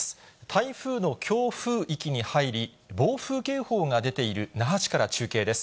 台風の強風域に入り、暴風警報が出ている那覇市から中継です。